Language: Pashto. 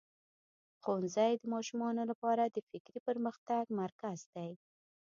ښوونځی د ماشومانو لپاره د فکري پرمختګ مرکز دی.